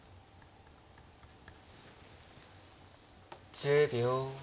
１０秒。